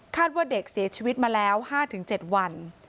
ว่าเด็กเสียชีวิตมาแล้ว๕๗วัน